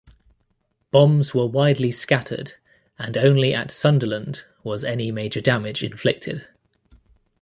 Bombs were widely scattered and only at Sunderland was any major damage inflicted.